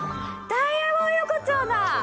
ダイアゴン横丁だ。